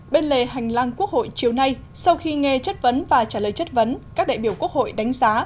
bên lề hành lang quốc hội chiều nay sau khi nghe chất vấn và trả lời chất vấn các đại biểu quốc hội đánh giá